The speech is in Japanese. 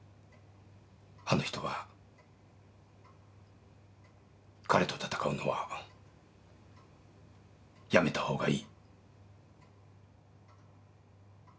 あの人は彼と戦うのはやめたほうがいい。